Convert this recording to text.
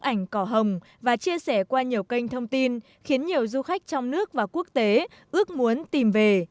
ảnh cỏ hồng và chia sẻ qua nhiều kênh thông tin khiến nhiều du khách trong nước và quốc tế ước muốn tìm về